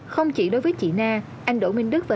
không chỉ đối với chị na anh đỗ minh đức và